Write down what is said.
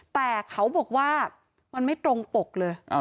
แต่เขาบอกว่ามันไม่ตรงปกเลย